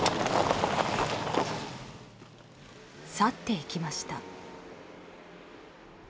去っていきました。